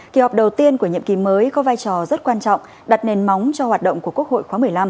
kỳ họp đầu tiên của nhiệm kỳ mới có vai trò rất quan trọng đặt nền móng cho hoạt động của quốc hội khóa một mươi năm